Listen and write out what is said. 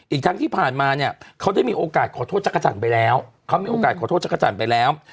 อีกทั้งที่ผ่านมาเนี่ยเค้าได้มีโอกาสขอโทษจักรจันทร์ไปแล้ว